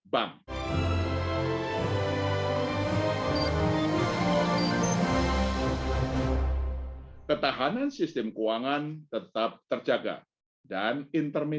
diikuti penurunan suku bunga kredit baru pada seluruh kelompok